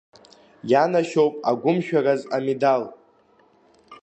Ианашьоуп Агәымшәараз амедал.